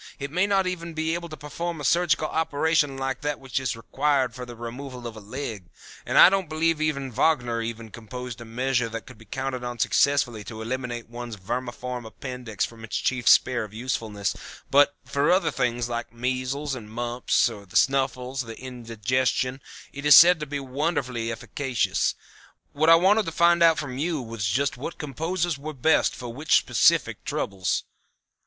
It may not be able to perform a surgical operation like that which is required for the removal of a leg, and I don't believe even Wagner ever composed a measure that could be counted on successfully to eliminate one's vermiform appendix from its chief sphere of usefulness, but for other things, like measles, mumps, the snuffles, or indigestion, it is said to be wonderfully efficacious; What I wanted to find out from you was just what composers were best for which specific troubles."